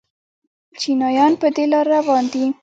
چینایان په دې لار روان دي.